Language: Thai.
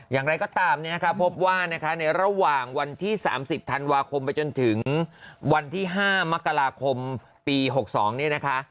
อย่างไรก็ตามเนี่ยนะคะพบว่านะคะในระหว่างวันที่๓๐ธันวาคมไปจนถึงวันที่๕มกราคมปี๖๒เนี่ยนะคะ